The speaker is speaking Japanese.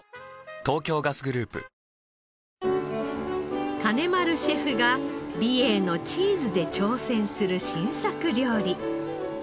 東京ガスグループ金丸シェフが美瑛のチーズで挑戦する新作料理。